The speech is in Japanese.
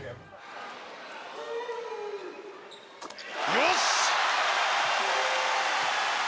よし！